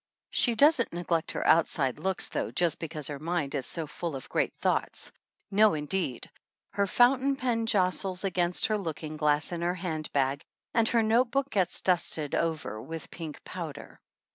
She doesn't neglect her outside looks, though, just because her mind is so full of great thoughts. No indeed! Her fountain pen jostles against her looking glass in her hand bag, and her note boo^: gets dusted over with pink powder.